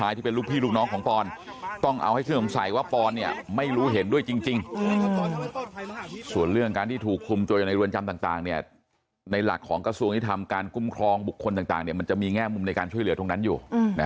ในหลักของกระทรวงอินทรรมการกุ้มครองบุคคลต่างมันจะมีแง่มุมในการช่วยเหลือตรงนั้นอยู่